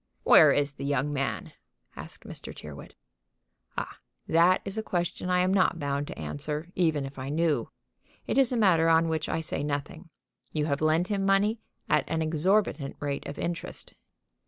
"Where is the young man?" asked Mr. Tyrrwhit. "Ah, that is a question I am not bound to answer, even if I knew. It is a matter on which I say nothing. You have lent him money, at an exorbitant rate of interest."